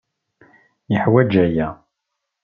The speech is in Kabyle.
Yeḥwaj aya.